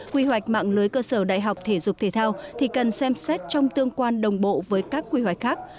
quy hoạch mạng lưới cơ sở đại học thể dục thể thao thì cần xem xét trong tương quan đồng bộ với các quy hoạch khác